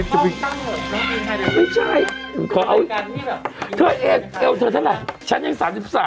เธอเอ๊เอลเธอเท่าไร